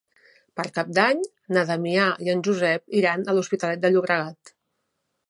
Per Cap d'Any na Damià i en Josep iran a l'Hospitalet de Llobregat.